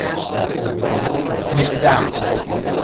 معدم